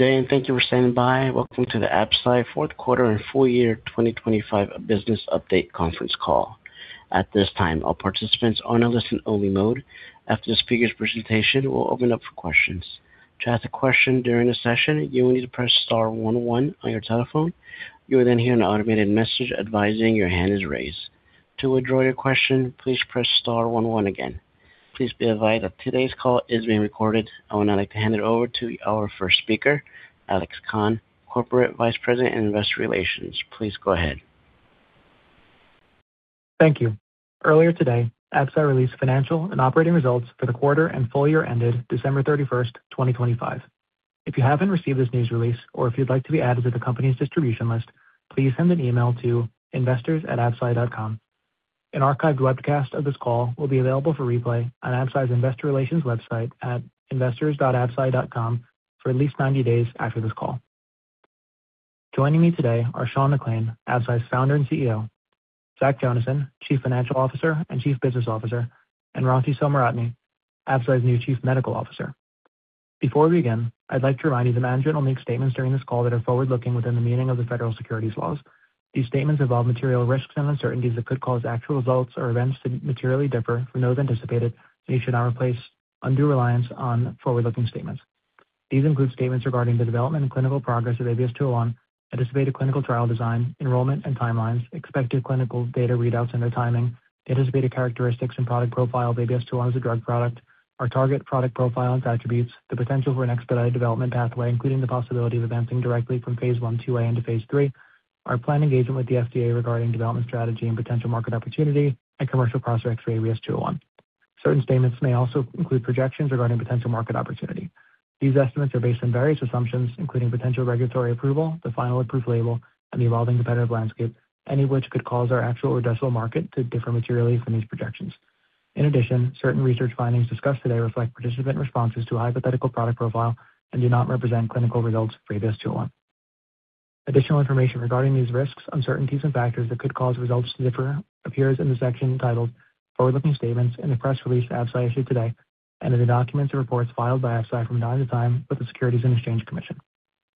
Good day, and thank you for standing by. Welcome to the Absci Fourth Quarter and Full Year 2025 Business Update Conference Call. At this time, all participants are in a listen-only mode. After the speaker's presentation, we'll open up for questions. To ask a question during the session, you will need to press star one oh one on your telephone. You will then hear an automated message advising your hand is raised. To withdraw your question, please press star one oh one again. Please be advised that today's call is being recorded. I would now like to hand it over to our first speaker, Alex Khan, Corporate Vice President and Investor Relations. Please go ahead. Thank you. Earlier today, Absci released financial and operating results for the quarter and full year ended December 31st, 2025. If you haven't received this news release or if you'd like to be added to the company's distribution list, please send an email to investors@absci.com. An archived webcast of this call will be available for replay on Absci's Investor Relations website at investors.absci.com for at least 90 days after this call. Joining me today are Sean McClain, Absci's Founder and CEO, Zach Jonasson, Chief Financial Officer and Chief Business Officer, and Ransi Somaratne, Absci's new Chief Medical Officer. Before we begin, I'd like to remind you that management will make statements during this call that are forward-looking within the meaning of the federal securities laws. These statements involve material risks and uncertainties that could cause actual results or events to materially differ from those anticipated, and you should not place undue reliance on forward-looking statements. These include statements regarding the development and clinical progress of ABS-201, anticipated clinical trial design, enrollment, and timelines, expected clinical data readouts and their timing, the anticipated characteristics and product profile of ABS-201 as a drug product, our target product profile and attributes, the potential for an expedited development pathway, including the possibility of advancing directly from phase I to II-A into phase III, our planned engagement with the FDA regarding development strategy and potential market opportunity, and commercial prospects for ABS-201. Certain statements may also include projections regarding potential market opportunity. These estimates are based on various assumptions, including potential regulatory approval, the final approved label, and the evolving competitive landscape, any of which could cause our actual addressable market to differ materially from these projections. In addition, certain research findings discussed today reflect participant responses to a hypothetical product profile and do not represent clinical results for ABS-201. Additional information regarding these risks, uncertainties, and factors that could cause results to differ appears in the section titled Forward-Looking Statements in the press release Absci issued today and in the documents and reports filed by Absci from time to time with the Securities and Exchange Commission.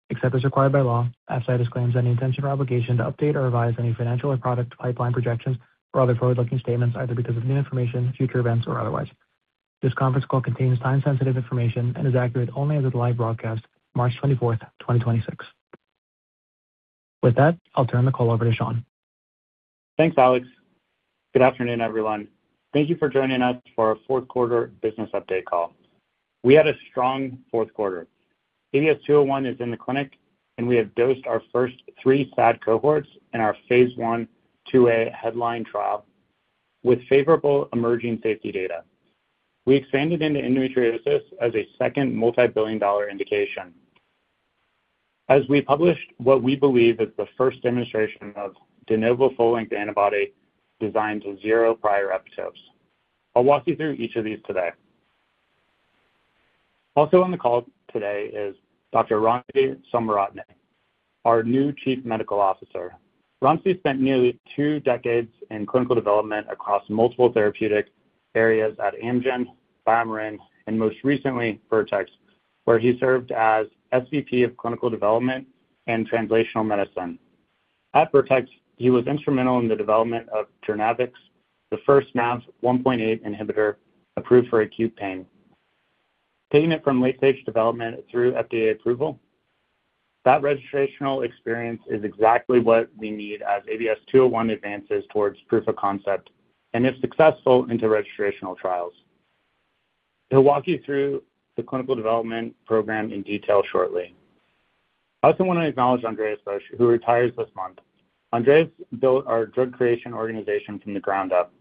Except as required by law, Absci disclaims any intention or obligation to update or revise any financial or product pipeline projections or other forward-looking statements, either because of new information, future events, or otherwise. This conference call contains time-sensitive information and is accurate only as of the live broadcast, March 24th, 2026. With that, I'll turn the call over to Sean. Thanks, Alex. Good afternoon, everyone. Thank you for joining us for our fourth quarter business update call. We had a strong fourth quarter. ABS-201 is in the clinic, and we have dosed our first three SAD cohorts in our phase I/IIa HEADLINE trial with favorable emerging safety data. We expanded into endometriosis as a second multibillion-dollar indication. We published what we believe is the first demonstration of de novo full-length antibody designed with zero prior epitopes. I'll walk you through each of these today. Also on the call today is Dr. Ransi Somaratne, our new Chief Medical Officer. Ransi spent nearly two decades in clinical development across multiple therapeutic areas at Amgen, BioMarin, and most recently Vertex, where he served as SVP of Clinical Development and Translational Medicine. At Vertex, he was instrumental in the development of JOURNAVX, the first NaV1.8 inhibitor approved for acute pain. Taking it from late-stage development through FDA approval, that registrational experience is exactly what we need as ABS-201 advances towards proof of concept, and if successful, into registrational trials. He'll walk you through the clinical development program in detail shortly. I also want to acknowledge Andreas Busch, who retires this month. Andreas built our drug creation organization from the ground up.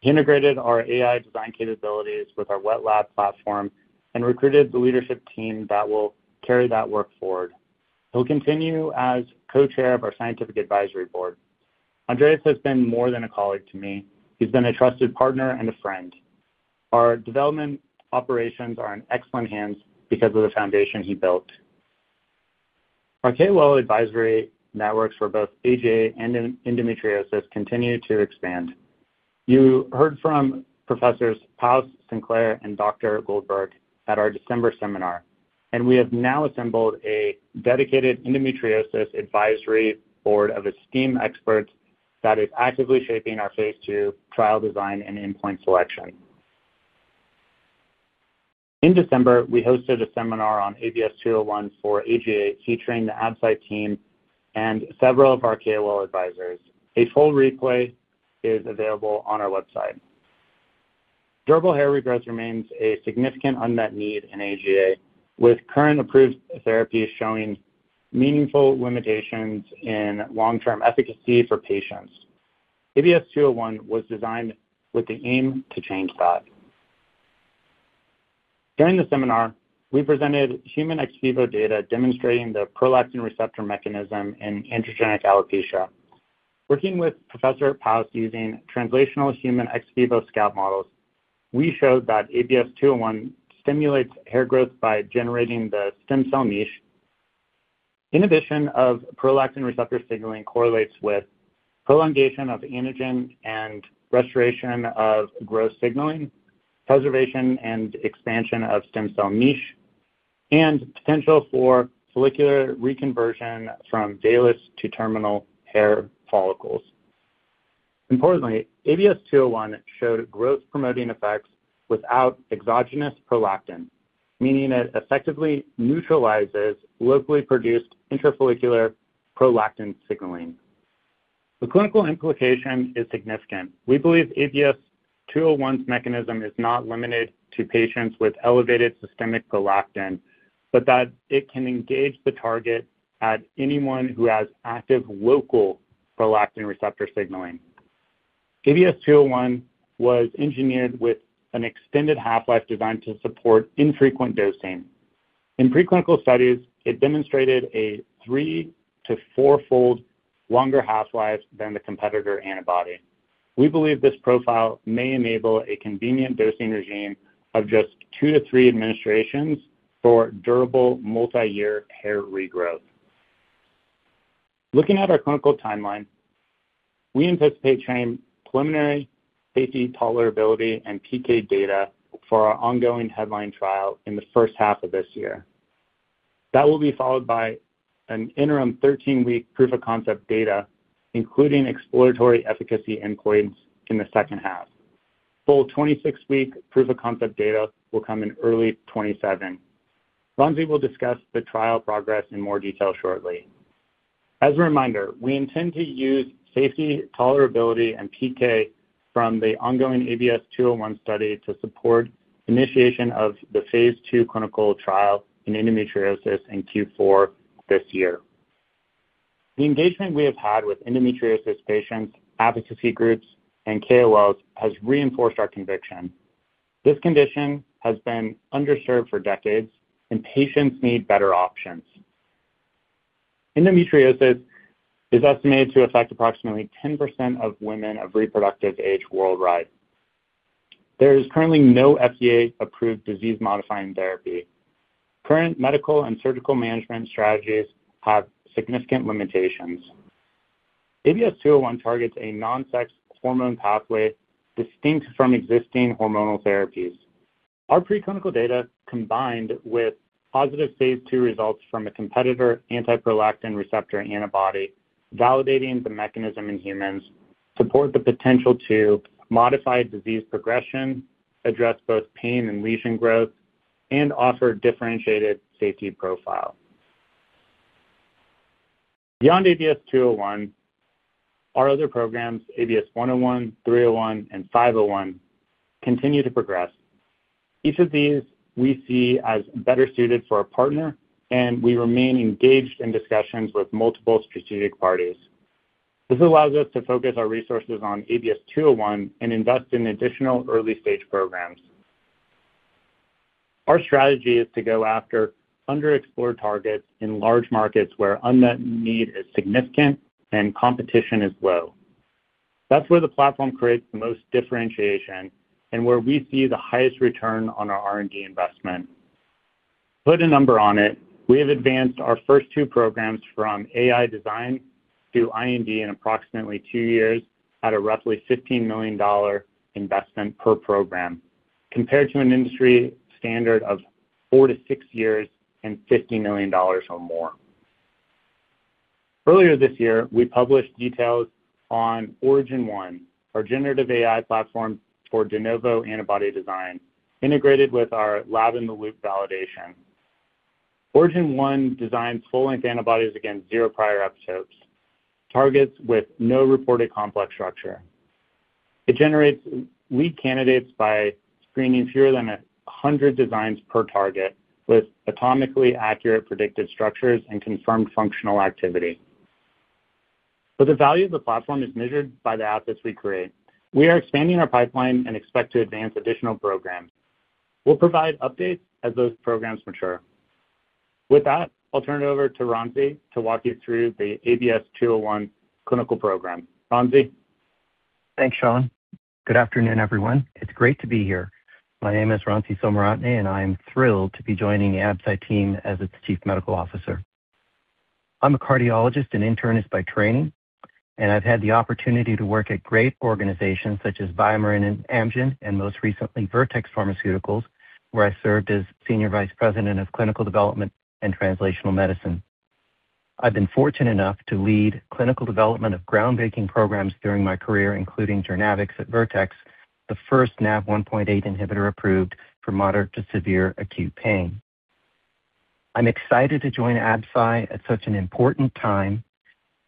He integrated our AI design capabilities with our wet lab platform and recruited the leadership team that will carry that work forward. He'll continue as co-chair of our scientific advisory board. Andreas has been more than a colleague to me. He's been a trusted partner and a friend. Our development operations are in excellent hands because of the foundation he built. Our KOL advisory networks for both AGA and endometriosis continue to expand. You heard from Professors Paus, Sinclair, and Dr. Goldberg at our December seminar, and we have now assembled a dedicated endometriosis advisory board of esteemed experts that is actively shaping our phase II trial design and endpoint selection. In December, we hosted a seminar on ABS-201 for AGA, featuring the Absci team and several of our KOL advisors. A full replay is available on our website. Durable hair regrowth remains a significant unmet need in AGA, with current approved therapies showing meaningful limitations in long-term efficacy for patients. ABS-201 was designed with the aim to change that. During the seminar, we presented human ex vivo data demonstrating the prolactin receptor mechanism in androgenetic alopecia. Working with Professor Paus using translational human ex vivo scalp models, we showed that ABS-201 stimulates hair growth by generating the stem cell niche. Inhibition of prolactin receptor signaling correlates with prolongation of anagen and restoration of growth signaling, preservation and expansion of stem cell niche, and potential for follicular reconversion from vellus to terminal hair follicles. Importantly, ABS-201 showed growth-promoting effects without exogenous prolactin, meaning it effectively neutralizes locally produced intrafollicular prolactin signaling. The clinical implication is significant. We believe ABS-201's mechanism is not limited to patients with elevated systemic prolactin, but that it can engage the target at anyone who has active local prolactin receptor signaling. ABS-201 was engineered with an extended half-life designed to support infrequent dosing. In preclinical studies, it demonstrated a three- to four-fold longer half-life than the competitor antibody. We believe this profile may enable a convenient dosing regime of just two to three administrations for durable multiyear hair regrowth. Looking at our clinical timeline, we anticipate sharing preliminary safety, tolerability, and PK data for our ongoing HEADLINE trial in the first half of this year. That will be followed by an interim 13-week proof-of-concept data, including exploratory efficacy endpoints in the second half. Full 26-week proof-of-concept data will come in early 2027. Ransi will discuss the trial progress in more detail shortly. As a reminder, we intend to use safety, tolerability, and PK from the ongoing ABS-201 study to support initiation of the phase II clinical trial in endometriosis in Q4 this year. The engagement we have had with endometriosis patients, advocacy groups, and KOLs has reinforced our conviction. This condition has been underserved for decades, and patients need better options. Endometriosis is estimated to affect approximately 10% of women of reproductive age worldwide. There is currently no FDA-approved disease-modifying therapy. Current medical and surgical management strategies have significant limitations. ABS-201 targets a non-sex hormone pathway distinct from existing hormonal therapies. Our preclinical data, combined with positive phase II results from a competitor anti-prolactin receptor antibody validating the mechanism in humans, support the potential to modify disease progression, address both pain and lesion growth, and offer differentiated safety profile. Beyond ABS-201, our other programs, ABS-101, ABS-301, and ABS-501, continue to progress. Each of these we see as better suited for a partner, and we remain engaged in discussions with multiple strategic parties. This allows us to focus our resources on ABS-201 and invest in additional early-stage programs. Our strategy is to go after underexplored targets in large markets where unmet need is significant and competition is low. That's where the platform creates the most differentiation and where we see the highest return on our R&D investment. To put a number on it, we have advanced our first two programs from AI design through IND in approximately two years at a roughly $15 million investment per program, compared to an industry standard of four to six years and $50 million or more. Earlier this year, we published details on Origin one, our generative AI platform for de novo antibody design, integrated with our lab-in-the-loop validation. Origin one designs full-length antibodies against zero prior epitopes, targets with no reported complex structure. It generates lead candidates by screening fewer than 100 designs per target, with atomically accurate predicted structures and confirmed functional activity. The value of the platform is measured by the assets we create. We are expanding our pipeline and expect to advance additional programs. We'll provide updates as those programs mature. With that, I'll turn it over to Ransi to walk you through the ABS-201 clinical program. Ransi? Thanks, Sean. Good afternoon, everyone. It's great to be here. My name is Ransi Somaratne, and I am thrilled to be joining Absci team as its Chief Medical Officer. I'm a cardiologist and internist by training, and I've had the opportunity to work at great organizations such as BioMarin and Amgen, and most recently Vertex Pharmaceuticals, where I served as Senior Vice President of Clinical Development and Translational Medicine. I've been fortunate enough to lead clinical development of groundbreaking programs during my career, including JOURNAVX at Vertex, the first NaV1.8 inhibitor approved for moderate-to-severe acute pain. I'm excited to join Absci at such an important time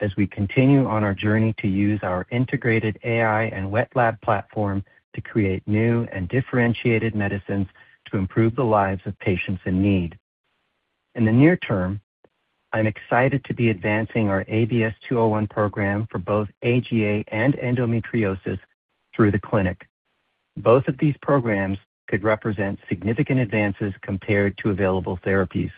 as we continue on our journey to use our integrated AI and wet lab platform to create new and differentiated medicines to improve the lives of patients in need. In the near term, I'm excited to be advancing our ABS-201 program for both AGA and endometriosis through the clinic. Both of these programs could represent significant advances compared to available therapies.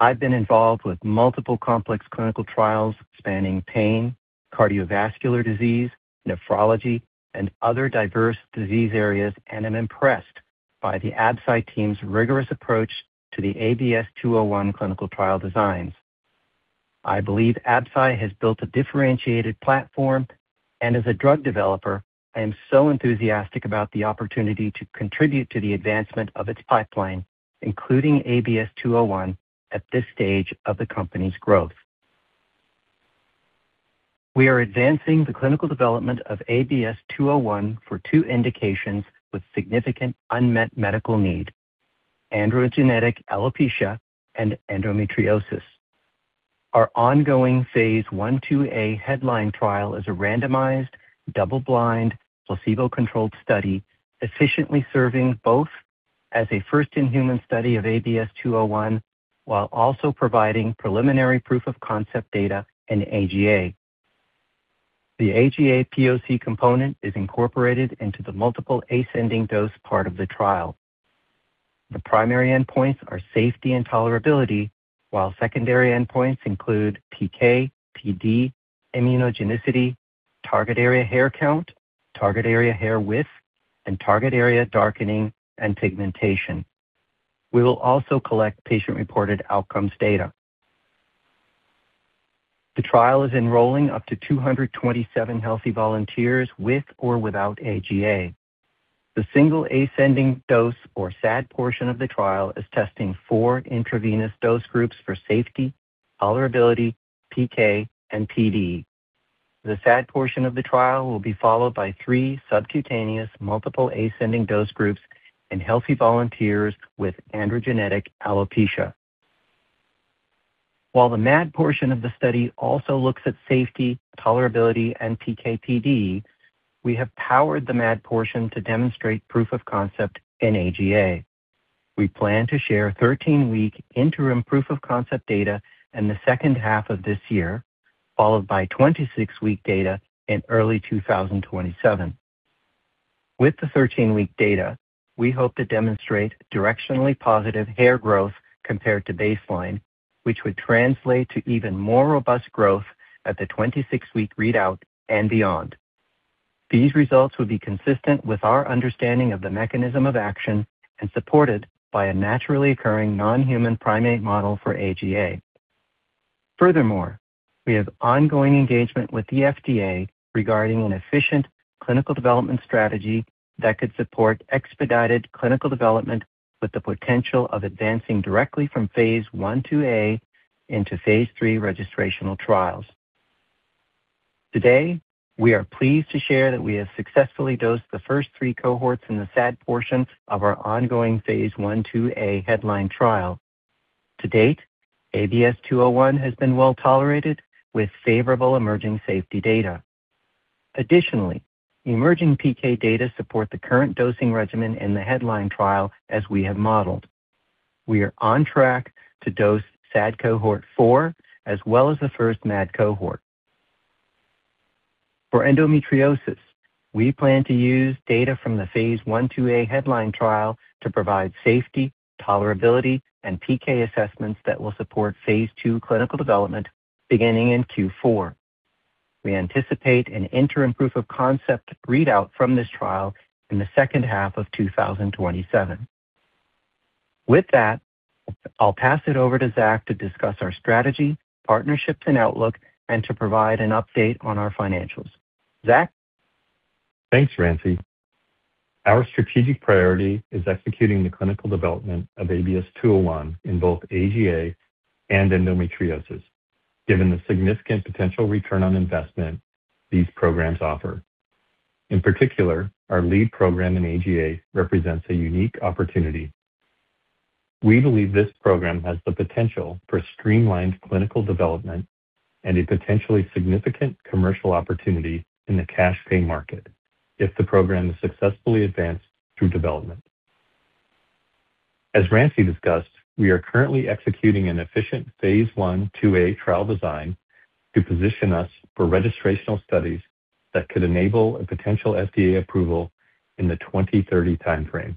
I've been involved with multiple complex clinical trials spanning pain, cardiovascular disease, nephrology, and other diverse disease areas, and I'm impressed by the Absci team's rigorous approach to the ABS-201 clinical trial designs. I believe Absci has built a differentiated platform, and as a drug developer, I am so enthusiastic about the opportunity to contribute to the advancement of its pipeline, including ABS-201, at this stage of the company's growth. We are advancing the clinical development of ABS-201 for two indications with significant unmet medical need, androgenetic alopecia and endometriosis. Our ongoing phase I/II-A HEADLINE trial is a randomized, double-blind, placebo-controlled study efficiently serving both as a first-in-human study of ABS-201 while also providing preliminary proof-of-concept data in AGA. The AGA POC component is incorporated into the multiple ascending dose part of the trial. The primary endpoints are safety and tolerability, while secondary endpoints include PK, PD, immunogenicity, target area hair count, target area hair width, and target area darkening and pigmentation. We will also collect patient-reported outcomes data. The trial is enrolling up to 227 healthy volunteers with or without AGA. The single ascending dose or SAD portion of the trial is testing four intravenous dose groups for safety, tolerability, PK, and PD. The SAD portion of the trial will be followed by three subcutaneous multiple ascending dose groups in healthy volunteers with androgenetic alopecia. While the MAD portion of the study also looks at safety, tolerability, and PK/PD, we have powered the MAD portion to demonstrate proof of concept in AGA. We plan to share 13-week interim proof-of-concept data in the second half of this year, followed by 26-week data in early 2027. With the 13-week data, we hope to demonstrate directionally positive hair growth compared to baseline, which would translate to even more robust growth at the 26-week readout and beyond. These results would be consistent with our understanding of the mechanism of action and supported by a naturally occurring non-human primate model for AGA. Furthermore, we have ongoing engagement with the FDA regarding an efficient clinical development strategy that could support expedited clinical development with the potential of advancing directly from phase I/II-A into phase III registrational trials. Today, we are pleased to share that we have successfully dosed the first three cohorts in the SAD portion of our ongoing phase I/II-A HEADLINE trial. To date, ABS-201 has been well-tolerated with favorable emerging safety data. Additionally, emerging PK data support the current dosing regimen in the HEADLINE trial as we have modeled. We are on track to dose SAD Cohort four, as well as the first MAD cohort. For endometriosis, we plan to use data from the phase I/II-A HEADLINE trial to provide safety, tolerability, and PK assessments that will support phase II clinical development beginning in Q4. We anticipate an interim proof-of-concept readout from this trial in the second half of 2027. With that, I'll pass it over to Zach to discuss our strategy, partnerships, and outlook, and to provide an update on our financials. Zach? Thanks, Ransi. Our strategic priority is executing the clinical development of ABS-201 in both AGA and endometriosis, given the significant potential return on investment these programs offer. In particular, our lead program in AGA represents a unique opportunity. We believe this program has the potential for streamlined clinical development and a potentially significant commercial opportunity in the cash pay market if the program is successfully advanced through development. As Ransi discussed, we are currently executing an efficient phase I/II-A trial design to position us for registrational studies that could enable a potential FDA approval in the 2030 timeframe.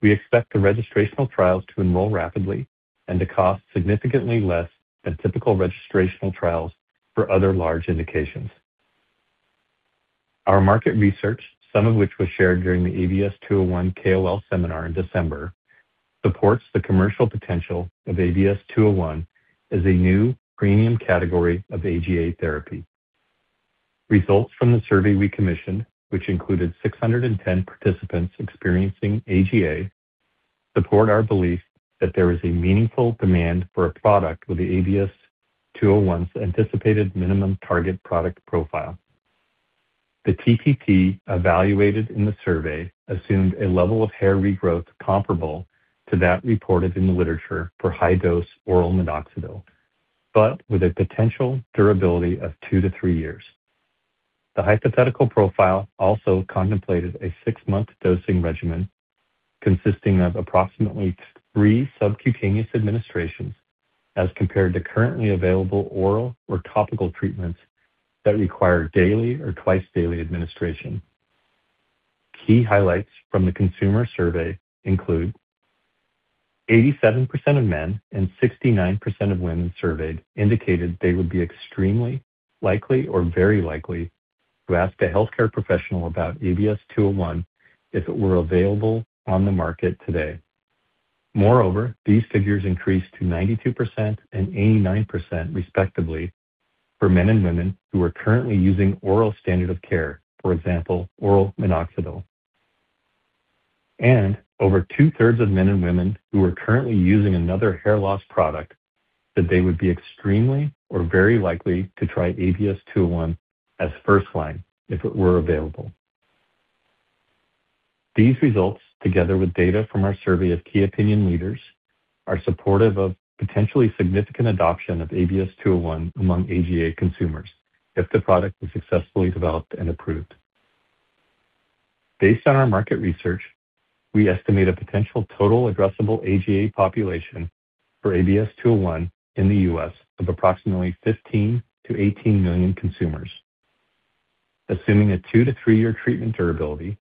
We expect the registrational trials to enroll rapidly and to cost significantly less than typical registrational trials for other large indications. Our market research, some of which was shared during the ABS-201 KOL seminar in December, supports the commercial potential of ABS-201 as a new premium category of AGA therapy. Results from the survey we commissioned, which included 610 participants experiencing AGA, support our belief that there is a meaningful demand for a product with the ABS-201's anticipated minimum target product profile. The TPP evaluated in the survey assumed a level of hair regrowth comparable to that reported in the literature for high-dose oral minoxidil, but with a potential durability of two to three years. The hypothetical profile also contemplated a six-month dosing regimen consisting of approximately three subcutaneous administrations, as compared to currently available oral or topical treatments that require daily or twice-daily administration. Key highlights from the consumer survey include 87% of men and 69% of women surveyed indicated they would be extremely likely or very likely to ask a healthcare professional about ABS-201 if it were available on the market today. Moreover, these figures increased to 92% and 89% respectively for men and women who are currently using oral standard of care, for example, oral minoxidil. Over 2/3 of men and women who are currently using another hair loss product said they would be extremely or very likely to try ABS-201 as first line if it were available. These results, together with data from our survey of key opinion leaders, are supportive of potentially significant adoption of ABS-201 among AGA consumers if the product was successfully developed and approved. Based on our market research, we estimate a potential total addressable AGA population for ABS-201 in the U.S. of approximately 15-18 million consumers. Assuming a two to three-year treatment durability,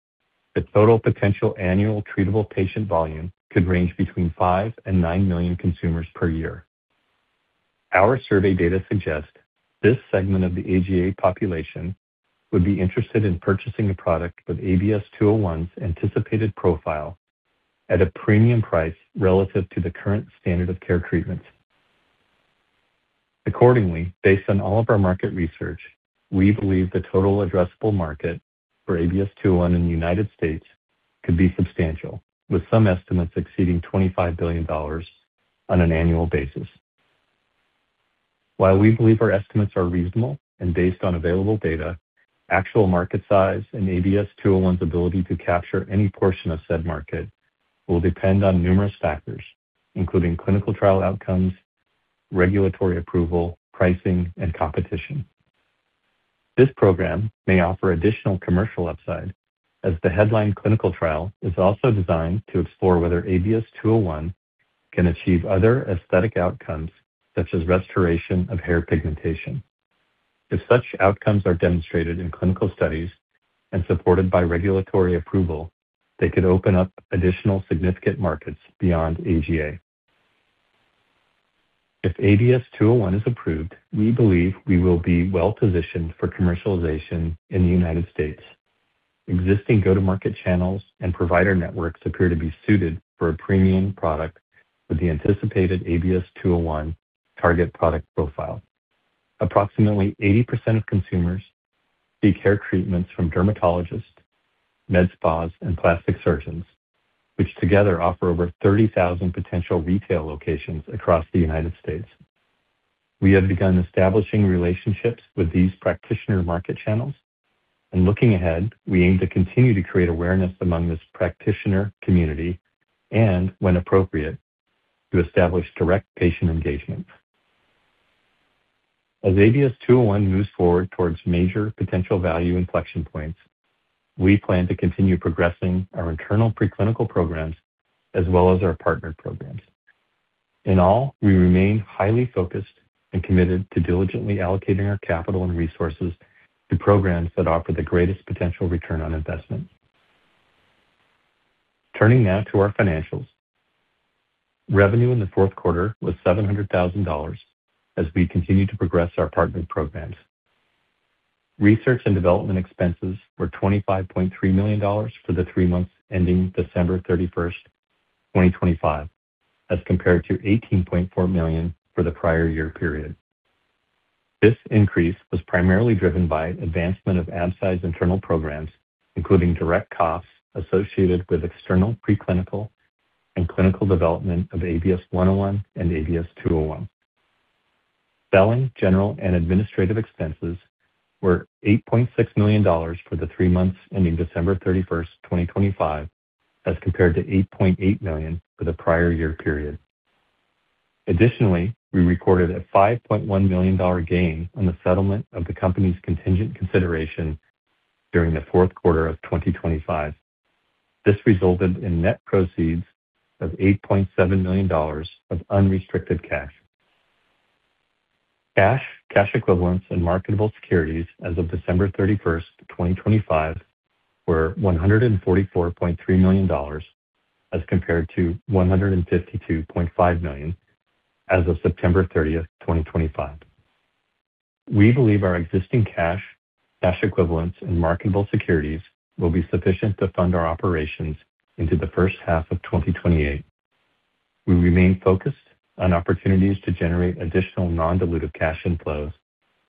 the total potential annual treatable patient volume could range between 5-9 million consumers per year. Our survey data suggest this segment of the AGA population would be interested in purchasing a product with ABS-201's anticipated profile at a premium price relative to the current standard of care treatments. Accordingly, based on all of our market research, we believe the total addressable market for ABS-201 in the United States could be substantial, with some estimates exceeding $25 billion on an annual basis. While we believe our estimates are reasonable and based on available data, actual market size and ABS-201's ability to capture any portion of said market will depend on numerous factors, including clinical trial outcomes, regulatory approval, pricing, and competition. This program may offer additional commercial upside, as the HEADLINE clinical trial is also designed to explore whether ABS-201 can achieve other aesthetic outcomes, such as restoration of hair pigmentation. If such outcomes are demonstrated in clinical studies and supported by regulatory approval, they could open up additional significant markets beyond AGA. If ABS-201 is approved, we believe we will be well-positioned for commercialization in the United States. Existing go-to-market channels and provider networks appear to be suited for a premium product with the anticipated ABS-201 target product profile. Approximately 80% of consumers seek hair treatments from dermatologists, med spas, and plastic surgeons, which together offer over 30,000 potential retail locations across the United States. We have begun establishing relationships with these practitioner market channels. Looking ahead, we aim to continue to create awareness among this practitioner community and, when appropriate, to establish direct patient engagement. As ABS-201 moves forward towards major potential value inflection points, we plan to continue progressing our internal preclinical programs as well as our partnered programs. In all, we remain highly focused and committed to diligently allocating our capital and resources to programs that offer the greatest potential return on investment. Turning now to our financials. Revenue in the fourth quarter was $700,000 as we continue to progress our partnered programs. Research and development expenses were $25.3 million for the three months ending December 31st, 2025, as compared to $18.4 million for the prior year period. This increase was primarily driven by advancement of Absci's internal programs, including direct costs associated with external preclinical and clinical development of ABS-101 and ABS-201. Selling, general, and administrative expenses were $8.6 million for the three months ending December 31st, 2025, as compared to $8.8 million for the prior year period. Additionally, we recorded a $5.1 million gain on the settlement of the company's contingent consideration during the fourth quarter of 2025. This resulted in net proceeds of $8.7 million of unrestricted cash. Cash, cash equivalents, and marketable securities as of December 31st, 2025, were $144.3 million as compared to $152.5 million as of September 30th, 2025. We believe our existing cash equivalents, and marketable securities will be sufficient to fund our operations into the first half of 2028. We remain focused on opportunities to generate additional non-dilutive cash inflows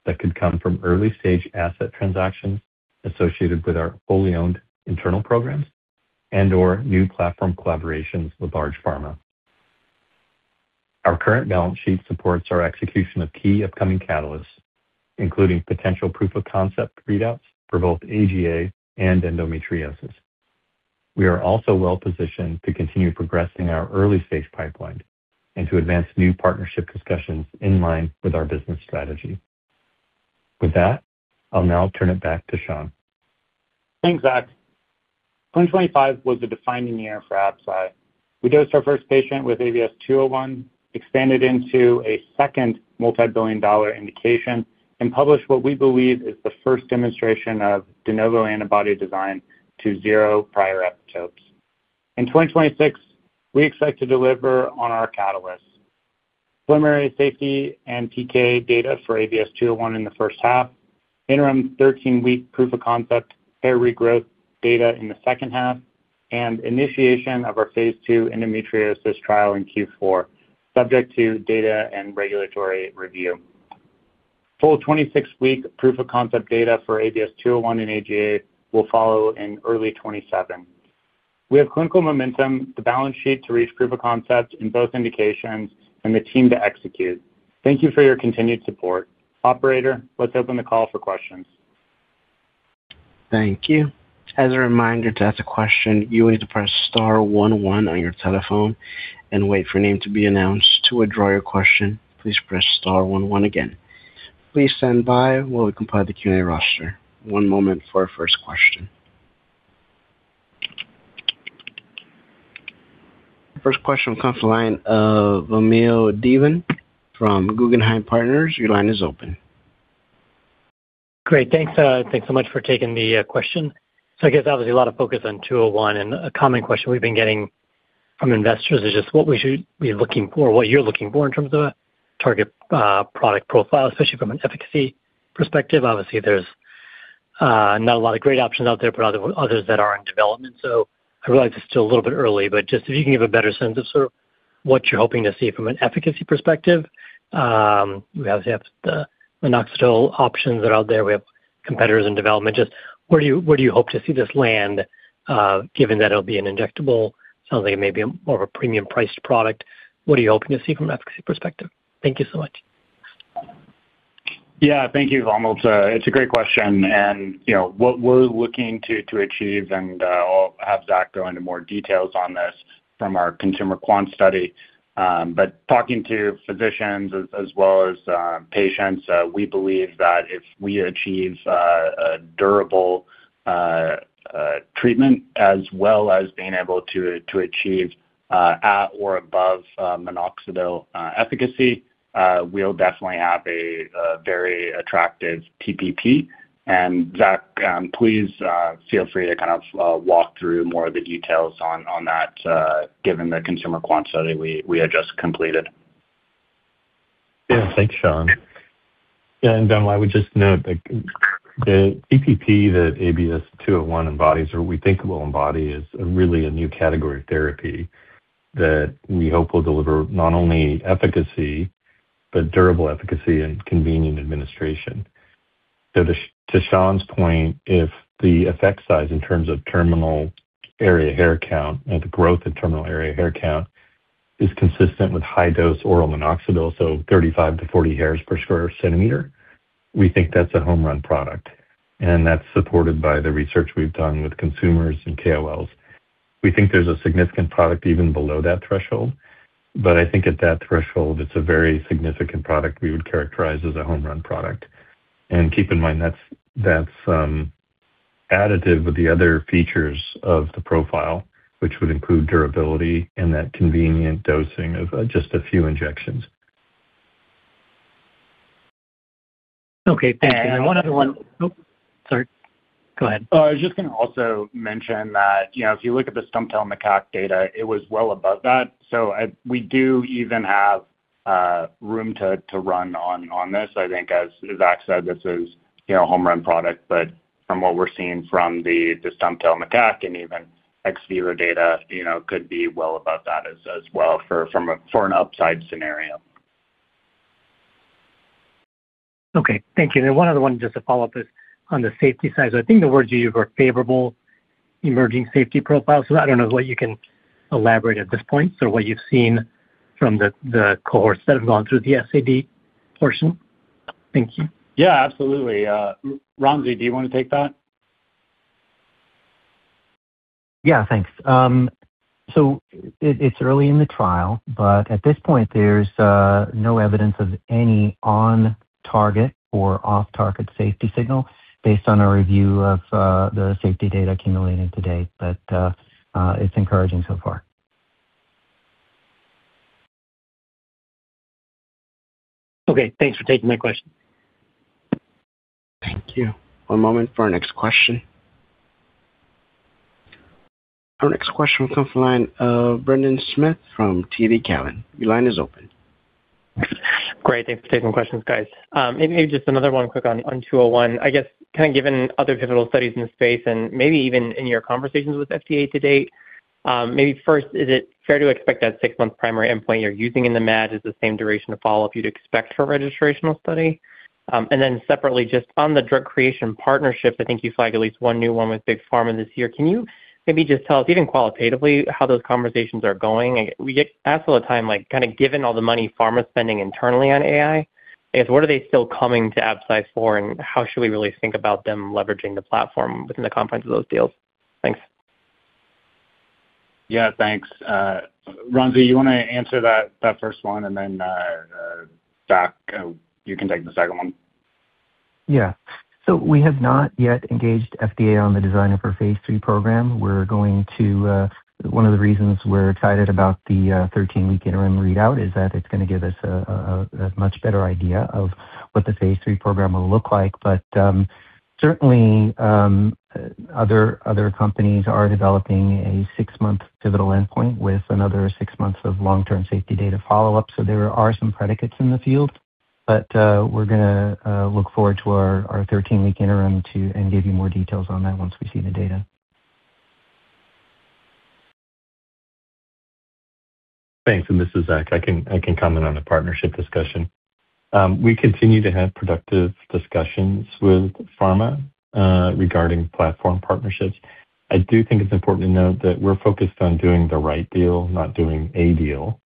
that could come from early-stage asset transactions associated with our fully owned internal programs and/or new platform collaborations with large pharma. Our current balance sheet supports our execution of key upcoming catalysts, including potential proof of concept readouts for both AGA and endometriosis. We are also well-positioned to continue progressing our early-stage pipeline and to advance new partnership discussions in line with our business strategy. With that, I'll now turn it back to Sean. Thanks, Zach. 2025 was a defining year for Absci. We dosed our first patient with ABS-201, expanded into a second multi-billion-dollar indication, and published what we believe is the first demonstration of de novo antibody design to zero prior epitopes. In 2026, we expect to deliver on our catalysts. Primary safety and PK data for ABS-201 in the first half, interim 13-week proof of concept hair regrowth data in the second half, and initiation of our phase II endometriosis trial in Q4, subject to data and regulatory review. Full 26-week proof of concept data for ABS-201 in AGA will follow in early 2027. We have clinical momentum, the balance sheet to reach proof of concept in both indications, and the team to execute. Thank you for your continued support. Operator, let's open the call for questions. Thank you. As a reminder, to ask a question, you will need to press star one one on your telephone and wait for your name to be announced. To withdraw your question, please press star one one again. Please stand by while we compile the Q&A roster. One moment for our first question. First question comes from the line of Vamil Divan from Guggenheim Partners. Your line is open. Great. Thanks so much for taking the question. I guess obviously a lot of focus on 201, and a common question we've been getting from investors is just what we should be looking for, what you're looking for in terms of a target product profile, especially from an efficacy perspective. Obviously, there's not a lot of great options out there, but others that are in development. I realize it's still a little bit early, but just if you can give a better sense of sort of what you're hoping to see from an efficacy perspective. We obviously have the minoxidil options that are out there. We have competitors in development. Just where do you hope to see this land, given that it'll be an injectable, sounds like it may be more of a premium priced product. What are you hoping to see from an efficacy perspective? Thank you so much. Yeah. Thank you, Vamil. It's a great question. You know, what we're looking to achieve, and I'll have Zach go into more details on this from our consumer quant study. But talking to physicians as well as patients, we believe that if we achieve a durable treatment as well as being able to achieve at or above minoxidil efficacy, we'll definitely have a very attractive TPP. Zach, please feel free to kind of walk through more of the details on that given the consumer quant study we had just completed. Yeah. Thanks, Sean. Yeah, Vamil, I would just note that the TPP that ABS-201 embodies or we think will embody is really a new category of therapy that we hope will deliver not only efficacy, but durable efficacy and convenient administration. To Sean's point, if the effect size in terms of terminal area hair count or the growth in terminal area hair count is consistent with high-dose oral minoxidil, 35-40 hairs per sq cm, we think that's a home run product, and that's supported by the research we've done with consumers and KOLs. We think there's a significant product even below that threshold, but I think at that threshold, it's a very significant product we would characterize as a home run product. Keep in mind, that's additive with the other features of the profile, which would include durability and that convenient dosing of just a few injections. Okay. One other one. Oh, sorry. Go ahead. I was just gonna also mention that, you know, if you look at the stump-tailed macaque data, it was well above that. We do even have room to run on this. I think as Zach said, this is, you know, a home run product. But from what we're seeing from the stump-tailed macaque and even ex vivo data, you know, could be well above that as well for an upside scenario. Okay. Thank you. One other one just to follow up is on the safety side. I think the words you used were favorable emerging safety profile. I don't know what you can elaborate at this point, so what you've seen from the cohorts that have gone through the SAD portion. Thank you. Yeah, absolutely. Ransi, do you wanna take that? Yeah. Thanks. It's early in the trial, but at this point there's no evidence of any on-target or off-target safety signal based on our review of the safety data accumulated to date. It's encouraging so far. Okay. Thanks for taking my question. Thank you. One moment for our next question. Our next question comes from the line of Brendan Smith from TD Cowen. Your line is open. Great. Thanks for taking questions, guys. Maybe just another one quick on 201. I guess kind of given other pivotal studies in the space and maybe even in your conversations with FDA to date, maybe first, is it fair to expect that six-month primary endpoint you're using in the MAD is the same duration of follow-up you'd expect for a registrational study? Separately, just on the drug creation partnership, I think you flagged at least one new one with big pharma this year. Can you maybe just tell us even qualitatively how those conversations are going? We get asked all the time, like kind of given all the money pharma's spending internally on AI, I guess what are they still coming to Absci for, and how should we really think about them leveraging the platform within the confines of those deals? Thanks. Yeah, thanks. Ransi, you wanna answer that first one, and then, Zach, you can take the second one. We have not yet engaged FDA on the design of our phase III program. One of the reasons we're excited about the 13-week interim readout is that it's gonna give us a much better idea of what the phase III program will look like. Certainly other companies are developing a six-month pivotal endpoint with another six months of long-term safety data follow-up. There are some predicates in the field. We're gonna look forward to our 13-week interim and give you more details on that once we see the data. Thanks. This is Zach. I can comment on the partnership discussion. We continue to have productive discussions with pharma regarding platform partnerships. I do think it's important to note that we're focused on doing the right deal, not doing a deal.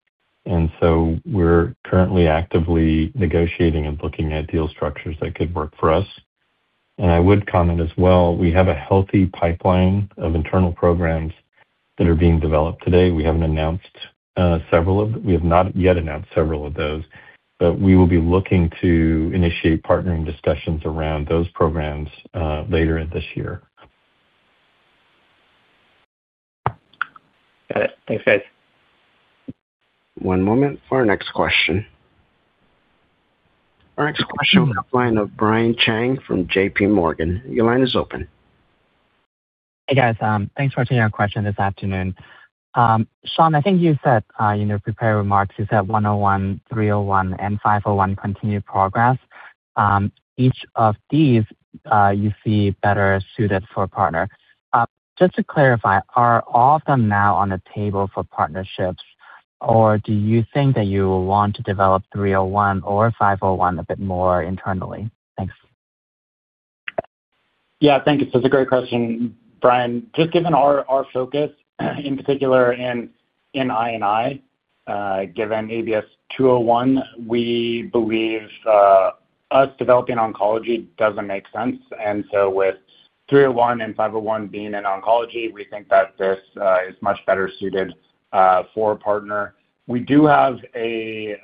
We're currently actively negotiating and looking at deal structures that could work for us. I would comment as well, we have a healthy pipeline of internal programs that are being developed today. We have not yet announced several of those, but we will be looking to initiate partnering discussions around those programs later this year. Got it. Thanks, guys. One moment for our next question. Our next question will come from the line of Brian Cheng from JP Morgan. Your line is open. Hey, guys. Thanks for taking our question this afternoon. Sean, I think you said, in your prepared remarks, you said ABS-101, ABS-301, and ABS-501 continued progress. Each of these, you see better suited for a partner. Just to clarify, are all of them now on the table for partnerships, or do you think that you want to develop ABS-301 or ABS-501 a bit more internally? Thanks. Yeah. Thank you. It's a great question, Brian. Just given our focus in particular in I&I, given ABS-201, we believe us developing oncology doesn't make sense. With three oh one and five oh one being in oncology, we think that this is much better suited for a partner. We do have an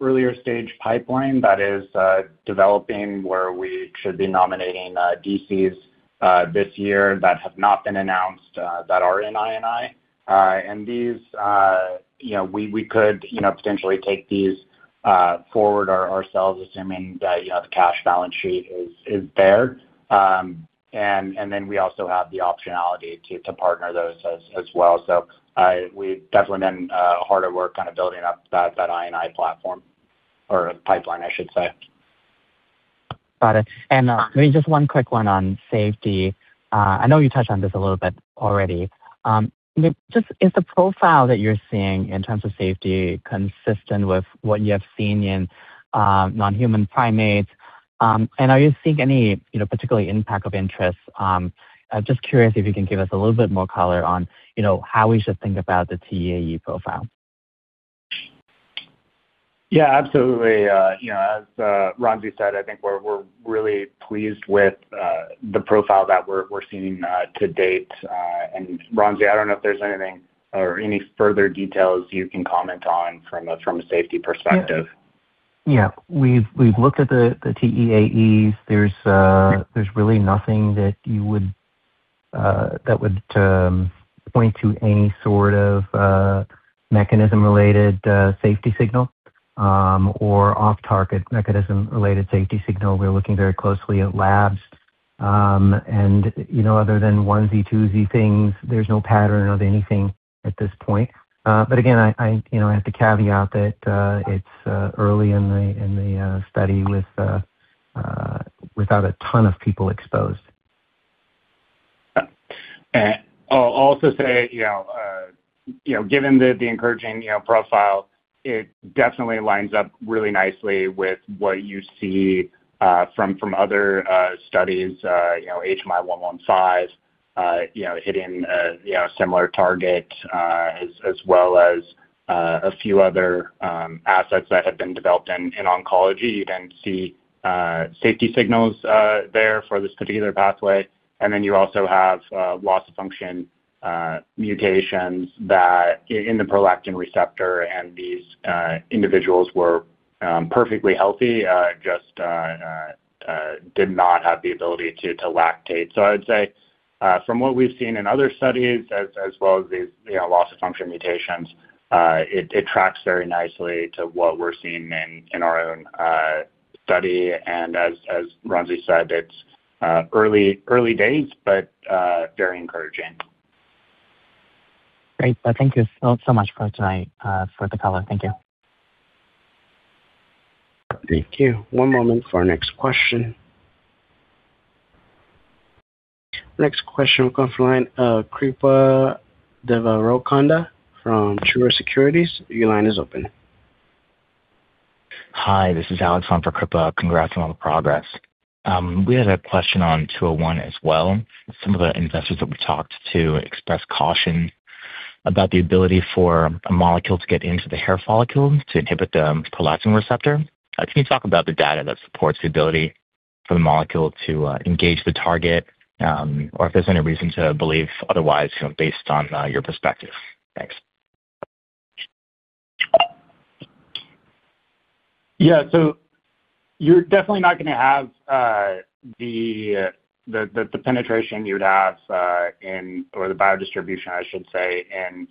earlier stage pipeline that is developing where we should be nominating DCs this year that have not been announced that are in I&I. And these you know we could you know potentially take these forward ourselves assuming that you know the cash balance sheet is there. And then we also have the optionality to partner those as well. We've definitely been hard at work kind of building up that I&I platform or pipeline, I should say. Got it. Maybe just one quick one on safety. I know you touched on this a little bit already. Just, is the profile that you're seeing in terms of safety consistent with what you have seen in non-human primates? Are you seeing any, you know, particular adverse events of interest? Just curious if you can give us a little bit more color on, you know, how we should think about the TEAE profile. Yeah, absolutely. You know, as Ransi said, I think we're really pleased with the profile that we're seeing to date. Ransi, I don't know if there's anything or any further details you can comment on from a safety perspective. Yeah. We've looked at the TEAEs. There's really nothing that you would point to any sort of mechanism-related safety signal or off-target mechanism-related safety signal. We're looking very closely at labs, and you know, other than onesie-twosie things, there's no pattern of anything at this point. Again, I, you know, I have to caveat that it's early in the study without a ton of people exposed. I'll also say, you know, given the encouraging profile, it definitely lines up really nicely with what you see from other studies, you know, HMI-115, you know, hitting a similar target as well as a few other assets that have been developed in oncology. You then see safety signals there for this particular pathway. You also have loss of function mutations that in the prolactin receptor and these individuals were perfectly healthy, just did not have the ability to lactate. I'd say, from what we've seen in other studies as well as these, you know, loss of function mutations, it tracks very nicely to what we're seeing in our own study. As Ransi said, it's early days, but very encouraging. Great. Thank you so much for tonight, for the color. Thank you. Thank you. One moment for our next question. Next question will come from the line of Kripa Devarakonda from Truist Securities. Your line is open. Hi, this is Alex on for Kripa. Congrats on all the progress. We had a question on 201 as well. Some of the investors that we talked to expressed caution about the ability for a molecule to get into the hair follicle to inhibit the prolactin receptor. Can you talk about the data that supports the ability for the molecule to engage the target, or if there's any reason to believe otherwise based on your perspective? Thanks. Yeah. You're definitely not gonna have the penetration you would have in or the biodistribution, I should say,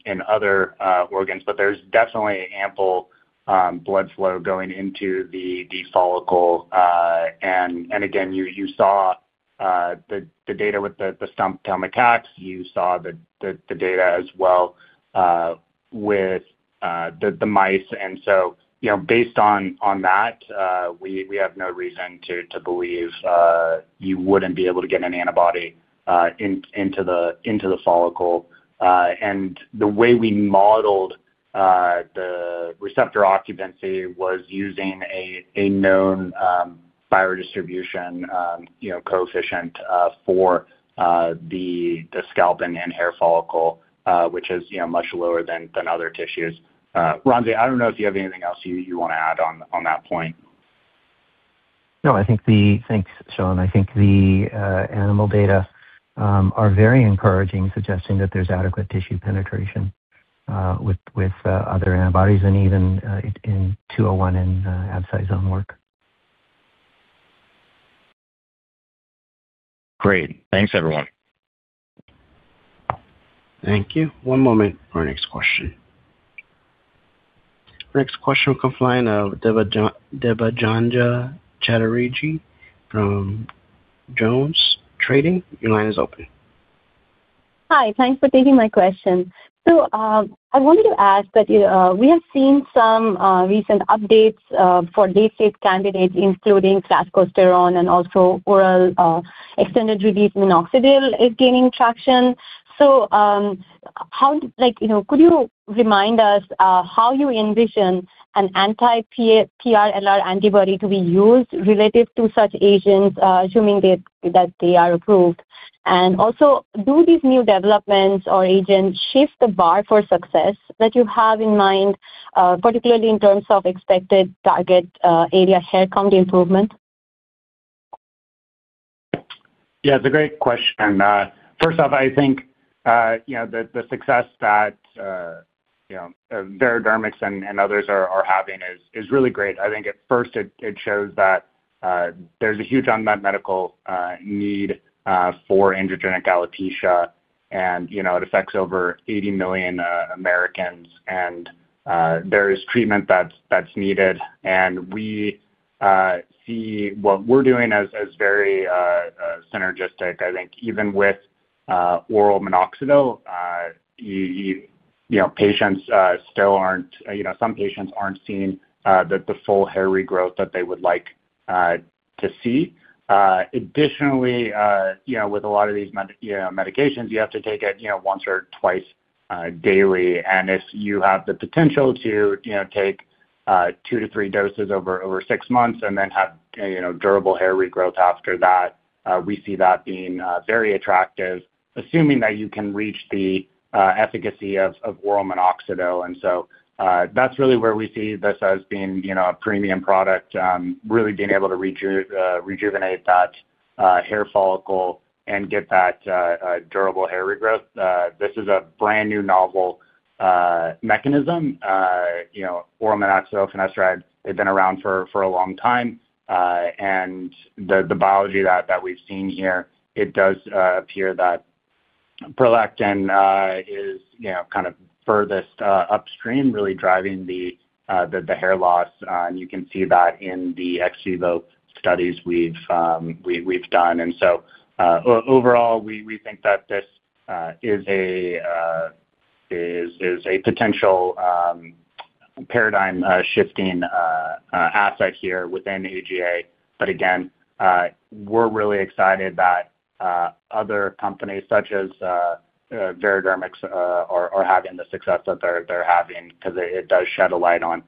in other organs. There's definitely ample blood flow going into the follicle. Again, you saw the data with the stump-tailed macaques. You saw the data as well with the mice. You know, based on that, we have no reason to believe you wouldn't be able to get an antibody into the follicle. The way we modeled the receptor occupancy was using a known biodistribution, you know, coefficient for the scalp and hair follicle, which is, you know, much lower than other tissues. Ransi, I don't know if you have anything else you wanna add on that point. No, I think the animal data are very encouraging, suggesting that there's adequate tissue penetration with other antibodies and even in ABS-201 and ABS-101 work. Great. Thanks, everyone. Thank you. One moment for our next question. Next question will come from the line of Debanjana Chatterjee from JonesTrading. Your line is open. Hi. Thanks for taking my question. I wanted to ask that, you know, we have seen some recent updates for day six candidates including clascoterone and also oral extended-release minoxidil is gaining traction. Like, you know, could you remind us how you envision an anti-PRLR antibody to be used related to such agents, assuming they are approved? Also, do these new developments or agents shift the bar for success that you have in mind, particularly in terms of expected target area hair count improvement? Yeah, it's a great question. First off, I think you know the success that you know Veradermics and others are having is really great. I think at first it shows that there's a huge unmet medical need for androgenetic alopecia and you know it affects over 80 million Americans and there is treatment that's needed. We see what we're doing as very synergistic. I think even with oral minoxidil you know patients still aren't you know some patients aren't seeing the full hair regrowth that they would like to see. Additionally you know with a lot of these medications you have to take it you know once or twice daily. If you have the potential to, you know, take two to three doses over six months and then have, you know, durable hair regrowth after that, we see that being very attractive, assuming that you can reach the efficacy of oral minoxidil. That's really where we see this as being, you know, a premium product, really being able to rejuvenate that hair follicle and get that durable hair regrowth. This is a brand-new novel mechanism. You know, oral minoxidil, finasteride, they've been around for a long time. The biology that we've seen here, it does appear that prolactin is, you know, kind of furthest upstream, really driving the hair loss. You can see that in the ex vivo studies we've done. Overall, we think that this is a potential paradigm shifting asset here within AGA. Again, we're really excited that other companies such as Veradermics are having the success that they're having 'cause it does shed a light on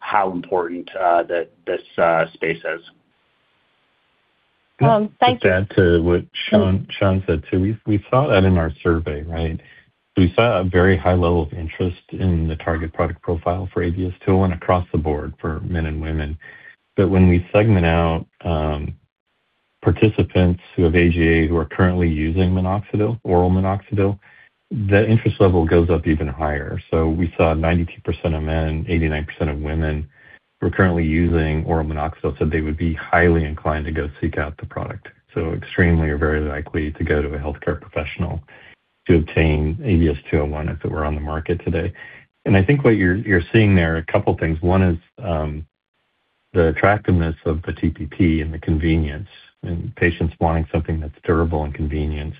how important this space is. Thank you. To add to what Sean said too. We saw that in our survey, right? We saw a very high level of interest in the target product profile for ABS-201 across the board for men and women. When we segment out participants who have AGA who are currently using minoxidil, oral minoxidil, the interest level goes up even higher. We saw 92% of men, 89% of women who are currently using oral minoxidil said they would be highly inclined to go seek out the product, so extremely or very likely to go to a healthcare professional to obtain ABS-201 if it were on the market today. I think what you're seeing there are a couple things. One is the attractiveness of the TPP and the convenience, and patients wanting something that's durable and convenient.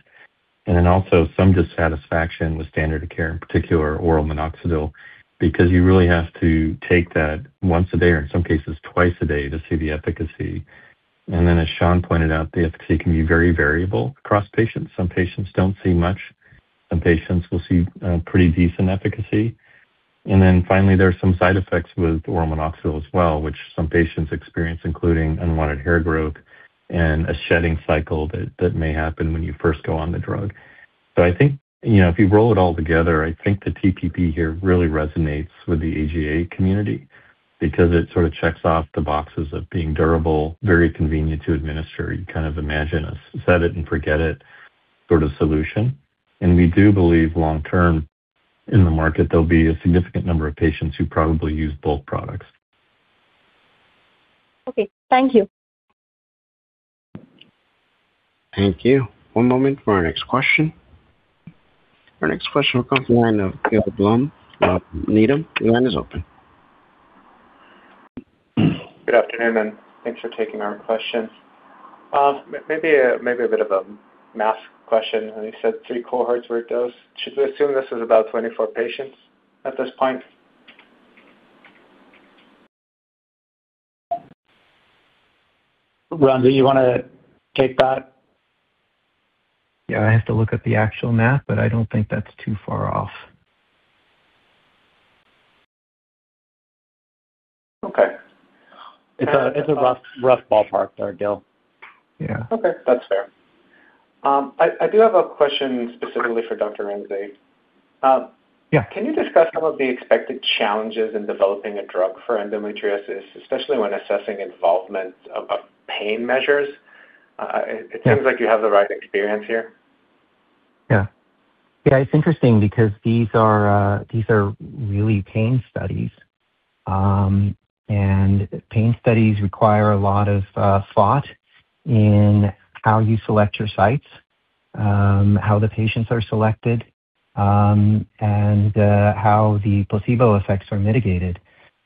Also some dissatisfaction with standard of care, in particular oral minoxidil, because you really have to take that once a day or in some cases twice a day to see the efficacy. As Sean pointed out, the efficacy can be very variable across patients. Some patients don't see much. Some patients will see pretty decent efficacy. Finally, there are some side effects with oral minoxidil as well, which some patients experience, including unwanted hair growth and a shedding cycle that may happen when you first go on the drug. I think, you know, if you roll it all together, I think the TPP here really resonates with the AGA community because it sort of checks off the boxes of being durable, very convenient to administer. You kind of imagine a set it and forget it sort of solution. We do believe long term in the market, there'll be a significant number of patients who probably use both products. Okay. Thank you. Thank you. One moment for our next question. Our next question will come from the line of Gil Blum, Needham. Your line is open. Good afternoon, and thanks for taking our question. Maybe a bit of a math question. When you said 3 cohorts were dosed, should we assume this is about 24 patients at this point? Ransi, you wanna take that? Yeah. I have to look at the actual math, but I don't think that's too far off. Okay. It's a rough ballpark there, Gil. Yeah. Okay. That's fair. I do have a question specifically for Dr. Ransi. Yeah. Can you discuss some of the expected challenges in developing a drug for endometriosis, especially when assessing involvement of pain measures? It seems like you have the right experience here. Yeah. Yeah, it's interesting because these are really pain studies. Pain studies require a lot of thought in how you select your sites, how the patients are selected, and how the placebo effects are mitigated.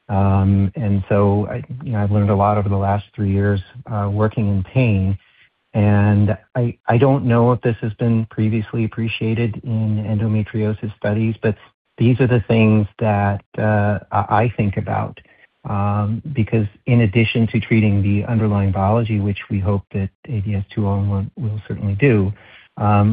You know, I've learned a lot over the last three years working in pain, and I don't know if this has been previously appreciated in endometriosis studies, but these are the things that I think about. Because in addition to treating the underlying biology, which we hope that ABS-201 will certainly do,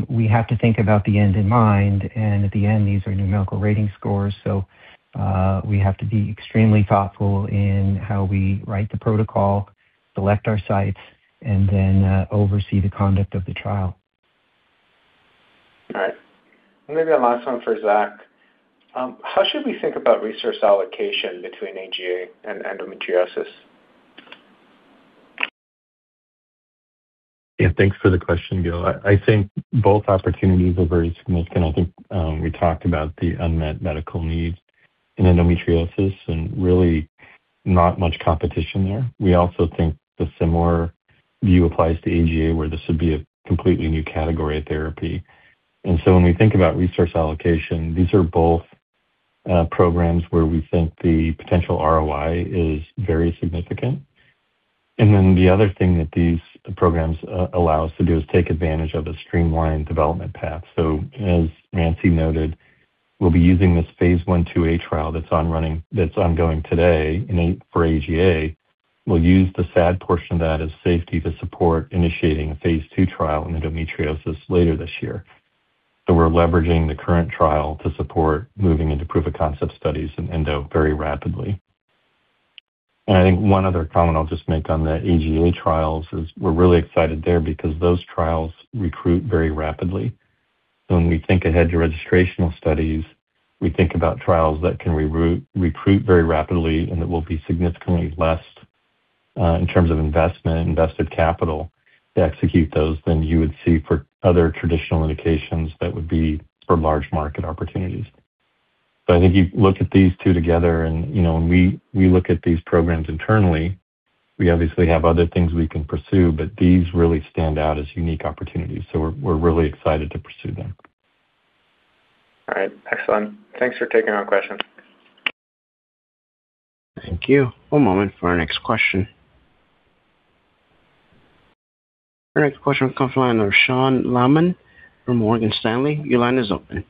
we have to think about the end in mind, and at the end, these are numerical rating scores. We have to be extremely thoughtful in how we write the protocol, select our sites, and then oversee the conduct of the trial. All right. Maybe a last one for Zach. How should we think about resource allocation between AGA and endometriosis? Yeah, thanks for the question, Gil. I think both opportunities are very significant. I think we talked about the unmet medical needs in endometriosis and really not much competition there. We also think the similar view applies to AGA, where this would be a completely new category of therapy. When we think about resource allocation, these are both programs where we think the potential ROI is very significant. The other thing that these programs allow us to do is take advantage of a streamlined development path. As Ransi noted, we'll be using this phase I/II-A trial that's ongoing today for AGA. We'll use the SAD portion of that as safety to support initiating a phase II trial in endometriosis later this year. We're leveraging the current trial to support moving into proof of concept studies in endo very rapidly. I think one other comment I'll just make on the AGA trials is we're really excited there because those trials recruit very rapidly. When we think ahead to registrational studies, we think about trials that can recruit very rapidly and that will be significantly less in terms of investment, invested capital to execute those than you would see for other traditional indications that would be for large market opportunities. I think you look at these two together and, you know, when we look at these programs internally, we obviously have other things we can pursue, but these really stand out as unique opportunities. We're really excited to pursue them. All right. Excellent. Thanks for taking our question. Thank you. One moment for our next question. Our next question comes from the line of Sean Laaman from Morgan Stanley. Your line is open.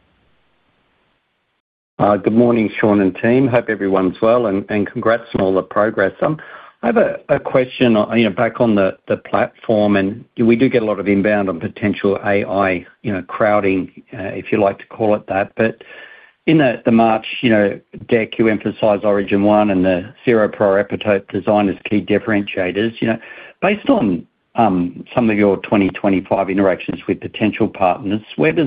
Good morning, Sean and team. Hope everyone's well and congrats on all the progress. I have a question, you know, back on the platform, and we do get a lot of inbound on potential AI, you know, crowding, if you like to call it that. In the March deck, you emphasize Origin-1 and the zero prior epitope design as key differentiators. You know, based on some of your 2025 interactions with potential partners, where do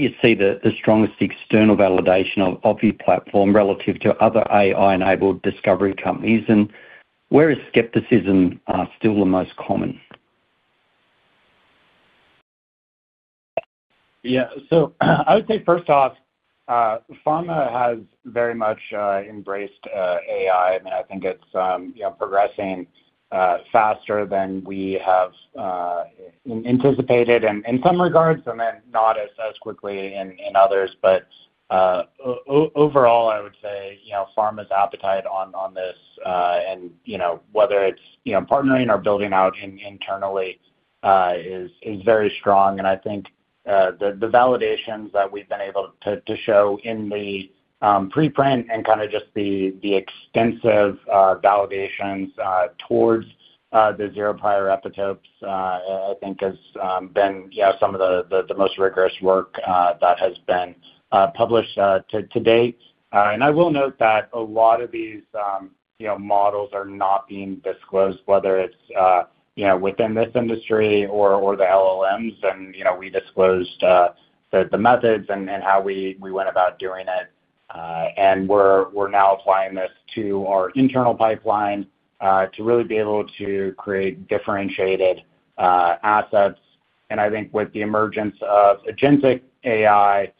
you see the strongest external validation of your platform relative to other AI-enabled discovery companies? And where is skepticism still the most common? Yeah. I would say first off, pharma has very much embraced AI. I mean, I think it's you know, progressing faster than we have anticipated in some regards, and then not as quickly in others. Overall, I would say, you know, pharma's appetite on this, and, you know, whether it's, you know, partnering or building out internally, is very strong. I think the validations that we've been able to show in the preprint and kinda just the extensive validations towards the zero prior epitopes, I think has been you know, some of the most rigorous work that has been published to date. I will note that a lot of these, you know, models are not being disclosed, whether it's you know within this industry or the LLMs. You know, we disclosed the methods and how we went about doing it. We're now applying this to our internal pipeline to really be able to create differentiated assets. I think with the emergence of agentic AI,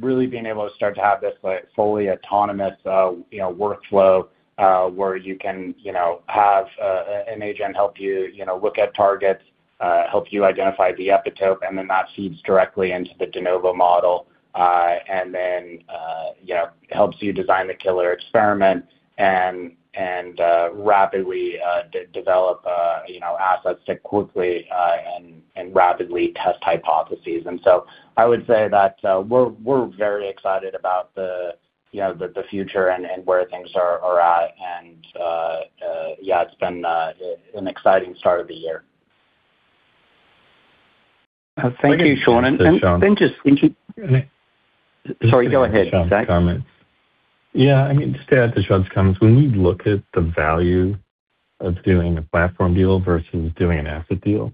really being able to start to have this, like, fully autonomous, you know, workflow, where you can, you know, have an agent help you know, look at targets, help you identify the epitope, and then that feeds directly into the de novo model, and then, you know, helps you design the killer experiment and rapidly develop, you know, assets to quickly and rapidly test hypotheses. I would say that, we're very excited about the, you know, the future and where things are at. Yeah, it's been an exciting start of the year. Thank you, Sean. Can I- Sorry, go ahead, Zach. Yeah. I mean, just to add to Sean's comments, when you look at the value of doing a platform deal versus doing an asset deal,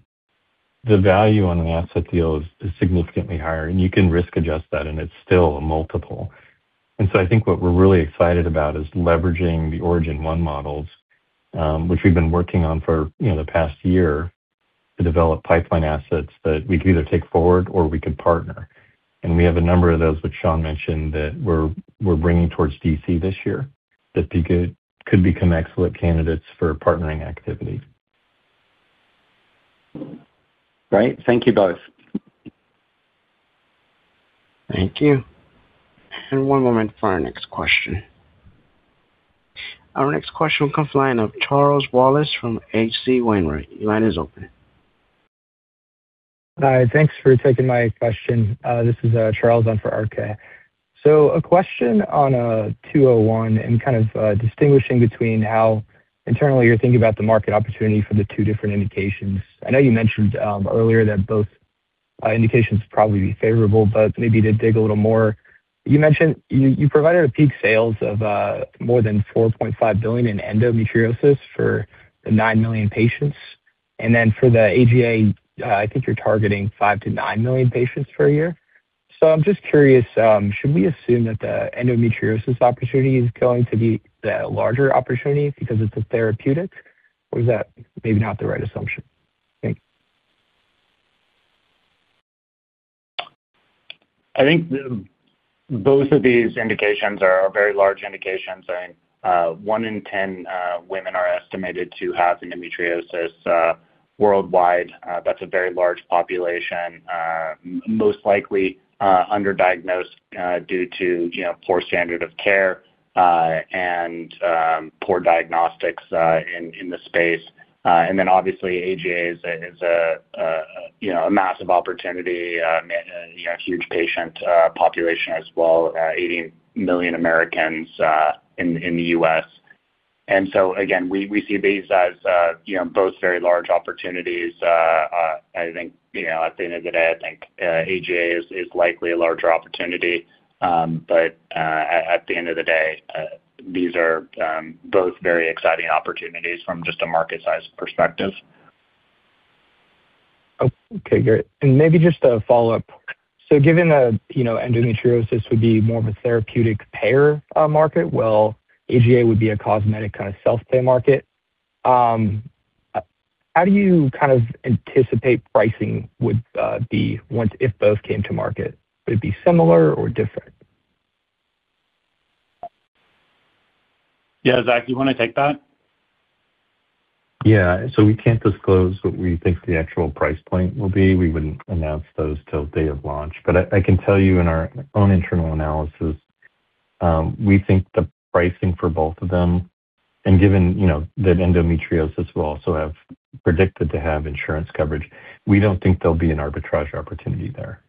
the value on an asset deal is significantly higher, and you can risk adjust that, and it's still a multiple. I think what we're really excited about is leveraging the Origin-1 models, which we've been working on for, you know, the past year to develop pipeline assets that we can either take forward or we could partner. We have a number of those, which Sean mentioned, that we're bringing towards DC this year that could become excellent candidates for partnering activity. Great. Thank you both. Thank you. One moment for our next question. Our next question comes from the line of Charles Wallace from H.C. Wainwright. Your line is open. Thanks for taking my question. This is Charles on for RK. A question on 201 and kind of distinguishing between how internally you're thinking about the market opportunity for the two different indications. I know you mentioned earlier that both indications probably be favorable, but maybe to dig a little more. You mentioned you provided a peak sales of more than $4.5 billion in endometriosis for the 9 million patients. Then for the AGA, I think you're targeting 5-9 million patients per year. I'm just curious, should we assume that the endometriosis opportunity is going to be the larger opportunity because it's a therapeutic or is that maybe not the right assumption? Thanks. I think both of these indications are very large indications, and one in ten women are estimated to have endometriosis worldwide. That's a very large population, most likely underdiagnosed due to you know, poor standard of care and poor diagnostics in the space. Obviously AGA is a you know, a massive opportunity, you know, a huge patient population as well, 80 million Americans in the U.S. Again, we see these as you know, both very large opportunities. I think you know, at the end of the day, I think AGA is likely a larger opportunity. At the end of the day, these are both very exciting opportunities from just a market size perspective. Okay, great. Maybe just a follow-up. Given that, you know, endometriosis would be more of a therapeutic payer market, while AGA would be a cosmetic kind of self-pay market, how do you anticipate pricing would be once if both came to market? Would it be similar or different? Yeah. Zach, you wanna take that? Yeah. We can't disclose what we think the actual price point will be. We wouldn't announce those till day of launch. I can tell you in our own internal analysis, we think the pricing for both of them, and given you know, that endometriosis will also have predicted to have insurance coverage, we don't think there'll be an arbitrage opportunity there.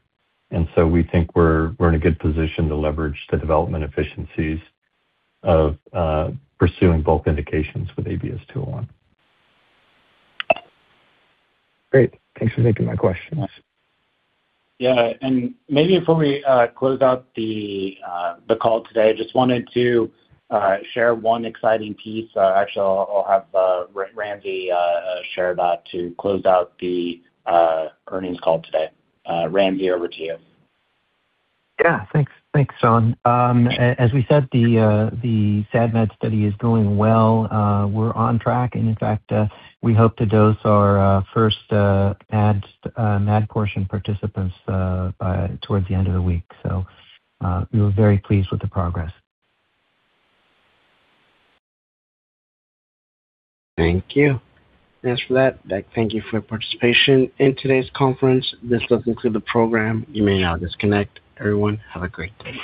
We think we're in a good position to leverage the development efficiencies of pursuing both indications with ABS-201. Great. Thanks for taking my questions. Yeah. Maybe before we close out the call today, I just wanted to share one exciting piece. Actually, I'll have Ransi share that to close out the earnings call today. Ransi, over to you. Yeah, thanks. Thanks, Sean. As we said, the SAD MAD study is going well. We're on track. In fact, we hope to dose our first AD MAD portion participants by towards the end of the week. We were very pleased with the progress. Thank you. Thanks for that. I thank you for your participation in today's conference. This does conclude the program. You may now disconnect. Everyone, have a great day.